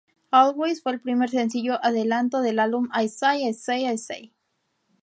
Always fue el primer sencillo adelanto del álbum I Say I Say I Say.